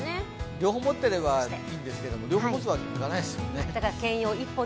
両方持ってればいいんですが、両方持つわけいかないですもんね。